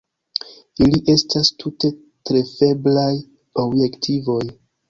Ili estas tute trafeblaj objektivoj.